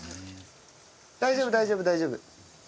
大丈夫大丈夫大丈夫。